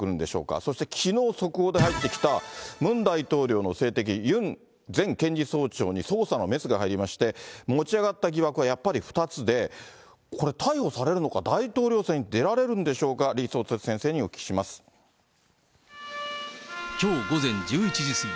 そして、きのう速報で入ってきたムン大統領の政敵、ユン前検事総長に捜査のメスが入りまして、持ち上がった疑惑はやっぱり２つで、これ、逮捕されるのか、大統領選出られるんでしょうか、李相哲先きょう午前１１時過ぎ。